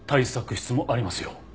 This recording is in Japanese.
室もありますよ。